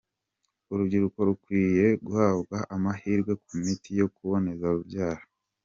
Urubyiruko rukwiye guhabwa amahirwe ku miti yo kuboneza urubyaro.